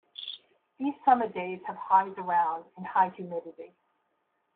These summer days have highs around and high humidity.